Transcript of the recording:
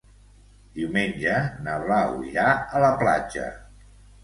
Diumenge na Blau irà a la platja.